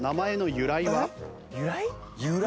由来？